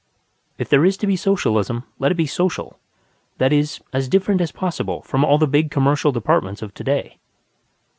If there is to be Socialism, let it be social; that is, as different as possible from all the big commercial departments of to day.